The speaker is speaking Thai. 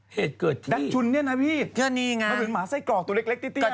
เหตุเกิดที่ดัชชุนเนี่ยนะพี่มาเป็นหมาไส้กอกตัวเล็กตี้น่ะนะ